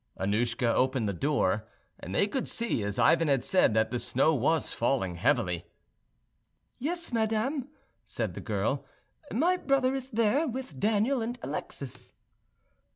Annouschka opened the door, and they could see, as Ivan had said, that the snow was falling heavily. "Yes, madam," said the girl; "my brother is there, with Daniel and Alexis."